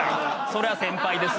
それは先輩です。